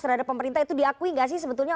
terhadap pemerintah itu diakui nggak sih sebetulnya